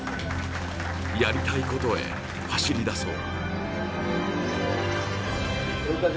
やりたいことへ走りだそう。